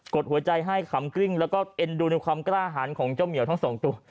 ดหัวใจให้ขำกลิ้งแล้วก็เอ็นดูในความกล้าหารของเจ้าเหมียวทั้งสองตัว